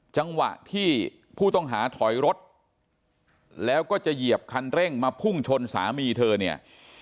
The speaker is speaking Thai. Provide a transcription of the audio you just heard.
จังหวะที่ผู้ต้องหาถอยรถแล้วก็จะเหยียบคันเร่งมาพุ่งชนสามีเธอเนี่ย